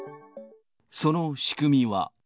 その仕組みは。